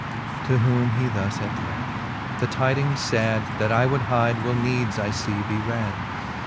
To whom he thus at length; The tidings (ad, That I would hide, will needs, I fee, be rad.